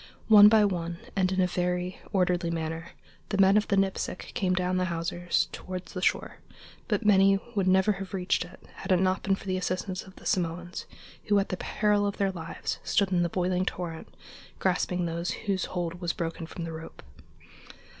One by one, and in a very orderly manner, the men of the Nipsic came down the hawsers toward the shore, but many would never have reached it, had it not been for the assistance of the Samoans, who, at the peril of their lives, stood in the boiling torrent, grasping those whose hold was broken from the rope.